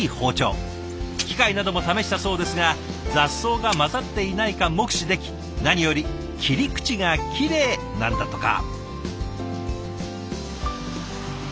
機械なども試したそうですが雑草が交ざっていないか目視でき何より切り口がきれいなんだとか。